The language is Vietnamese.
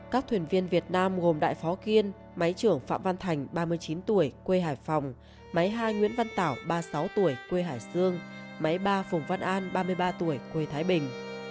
các thuyền viên việt nam gồm đại phó kiên máy trưởng phạm văn thành ba mươi chín tuổi quê hải phòng máy hai nguyễn văn tảo ba mươi sáu tuổi quê hải dương máy ba phùng văn an ba mươi ba tuổi quê thái bình